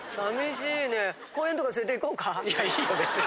いやいいよ別に。